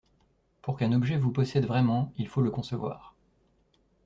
Pour qu’un objet vous possède vraiment, il faut le concevoir.